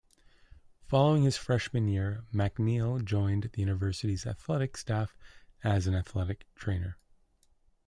Following his freshman year, MacNeill jointed the university's athletic staff as an athletic trainer.